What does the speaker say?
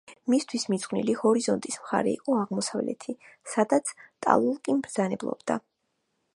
მისთვის მიძღვნილი ჰორიზონტის მხარე იყო აღმოსავლეთ, სადაც ტლალოკი მბრძანებლობდა.